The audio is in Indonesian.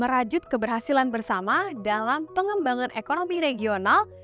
merajut keberhasilan bersama dalam pengembangan ekonomi regional